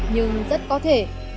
nhưng rất có thể nhanh một phút